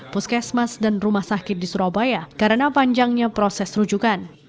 puskesmas dan rumah sakit di surabaya karena panjangnya proses rujukan